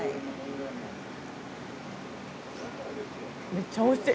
めっちゃおいしい！